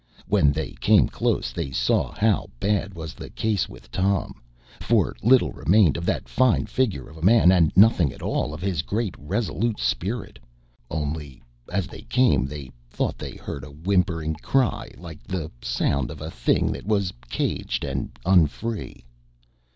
When they came close, they saw how bad was the case with Tom, for little remained of that fine figure of a man and nothing at all of his great resolute spirit, only as they came they thought they heard a whimpering cry like the sound of a thing that was caged and unfree.